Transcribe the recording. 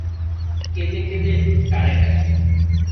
কেঁদে কেঁদে কারে ডাকি।